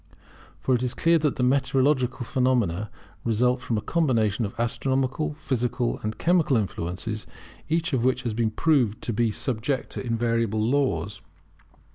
For it is clear that meteorological phenomena result from a combination of astronomical, physical and chemical influences, each of which has been proved to be subject to invariable laws.